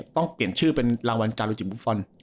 ต้องเปลี่ยนชื่อเป็นรางวัลจารุจิมฟุตบอล